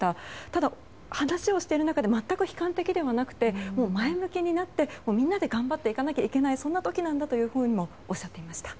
ただ、話をしている中で全く悲観的でなくて前向きになって、みんなで頑張っていかないといけないそんな時なんだともおっしゃっていました。